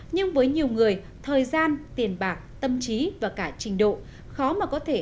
nhưng với nhiều người thời gian tiền bạc tâm trí và cả trình độ khó mà có thể